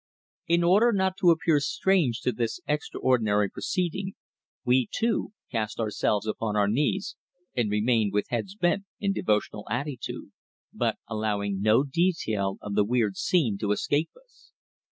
In order not to appear strange to this extraordinary proceeding, we, too, cast ourselves upon our knees and remained with heads bent in devotional attitude, but allowing no detail of the weird scene to escape us.